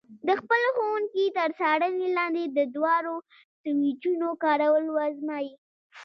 د خپل ښوونکي تر څارنې لاندې د دواړو سویچونو کارول وازمایئ.